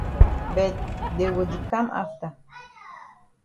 But dey go di kam afta.